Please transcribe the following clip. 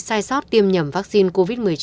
sai sót tiêm nhầm vaccine covid một mươi chín